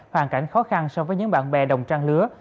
hoàn cảnh khó khăn so với những bạn bè đồng trang lứa